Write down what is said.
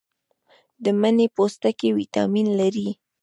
د مڼې پوستکي ویټامین لري.